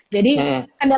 jadi kendala kendala itu